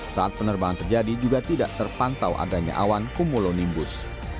saat penerbangan terjadi juga tidak terpantau adanya awan kumulonimbus